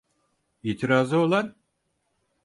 İtirazı olan?